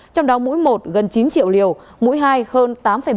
trong đó mũi một gần chín triệu liều mũi hai hơn tám một